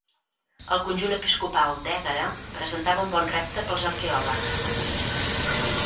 El conjunt episcopal d'Ègara presentava un bon repte pels arqueòlegs.